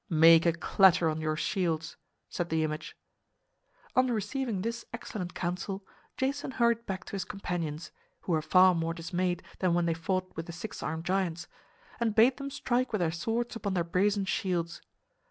"Make a clatter on your shields," said the image. On receiving this excellent counsel, Jason hurried back to his companions (who were far more dismayed than when they fought with the six armed giants) and bade them strike with their swords upon their brazen shields.